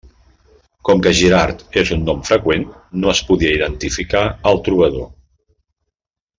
Com que Girard és un nom freqüent, no es podia identificar el trobador.